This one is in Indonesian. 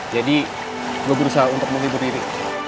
jadi gue berusaha untuk melibur diri